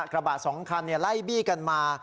กระบาดสองคันไล่บี้กันมา